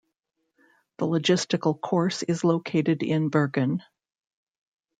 The logistical course is located in Bergen.